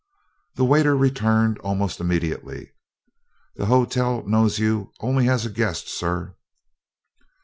The waiter returned almost immediately. "The hotel knows you only as a guest, sir."